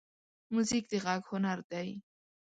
موزیک د غږ هنر دی.